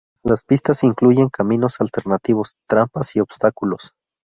Las pistas incluyen caminos alternativos, trampas y obstáculos.